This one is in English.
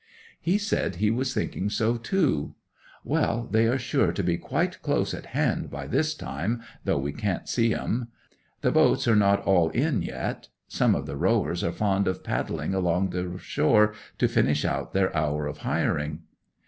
'He said he was thinking so too. "Well, they are sure to be quite close at hand by this time, though we can't see 'em. The boats are not all in yet. Some of the rowers are fond of paddling along the shore to finish out their hour of hiring."